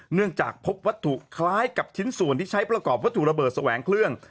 เนื่องจากพบวัตถุคล้ายกับชิ้นส่วนที่ใช้ประกอบวัตถุระเบิดแสวงเครื่อง